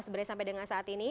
sebenarnya sampai dengan saat ini